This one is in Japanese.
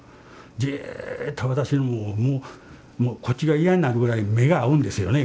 じっと私をもうこっちが嫌になるぐらい目が合うんですよね